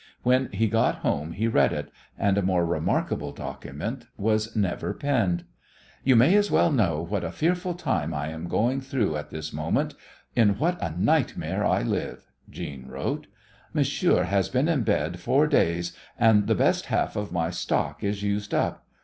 When he got home he read it, and a more remarkable document was never penned. "You may as well know what a fearful time I am going through at this moment in what a nightmare I live," Jeanne wrote. "Monsieur has been in bed four days, and the best half of my stock is used up.